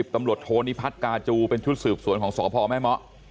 ๑๐ตำรวจโทนิพัทกาจูเป็นชุดสืบส่วนของสกพแม่หมอ